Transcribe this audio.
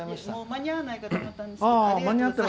間に合わないと思ったんですけど。